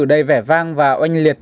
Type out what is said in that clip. đầy vẻ vang và oanh liệt